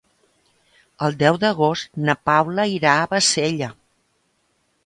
El deu d'agost na Paula irà a Bassella.